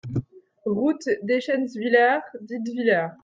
Route d'Eschentzwiller, Dietwiller